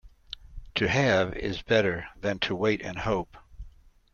To have is better than to wait and hope.